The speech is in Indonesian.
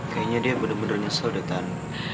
kayanya dia bener bener nyesel dengan